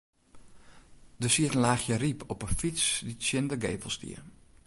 Der siet in laachje ryp op 'e fyts dy't tsjin de gevel stie.